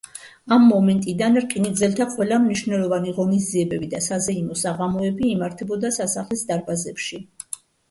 ამ მომენტიდან რკინიგზელთა ყველა მნიშვნელოვანი ღონისძიებები და საზეიმო საღამოები იმართებოდა სასახლის დარბაზებში.